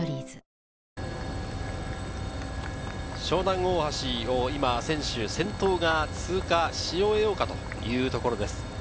湘南大橋を今、選手先頭が通過し終えようかというところです。